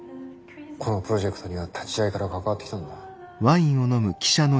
このプロジェクトには立ち上げから関わってきたんだ。